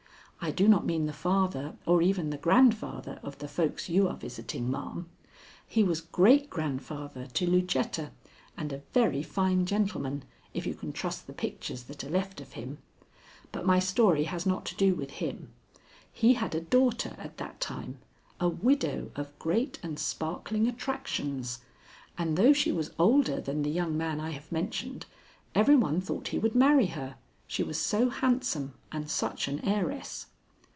I do not mean the father or even the grandfather of the folks you are visiting, ma'am. He was great grandfather to Lucetta, and a very fine gentleman, if you can trust the pictures that are left of him. But my story has not to do with him. He had a daughter at that time, a widow of great and sparkling attractions, and though she was older than the young man I have mentioned, every one thought he would marry her, she was so handsome and such an heiress.